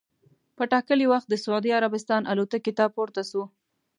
په ټا کلي وخت د سعودي عربستان الوتکې ته پورته سو.